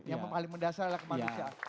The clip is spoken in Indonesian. yang paling mendasar adalah kemanusiaan